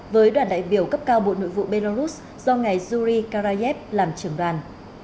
với đoàn đại biểu cấp cao bộ nội vụ belarus do ngài juri karayev làm trưởng đoàn